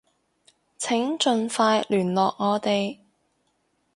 請盡快聯絡我哋